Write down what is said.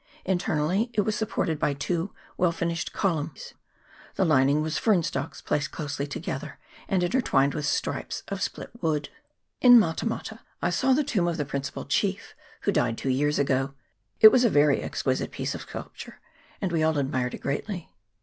Internally it was supported by two well finished columns : the lining was fern stalks placed close together and intertwined with stripes of split wood. In Mata mata I saw the tomb of the principal chief, who died two years ago ; it was a very exqui 412 MATA MATA. [PART II. site piece of sculpture, and we all admired it greatly.